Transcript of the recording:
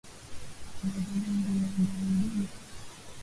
Anavala nguwo ya baridi isa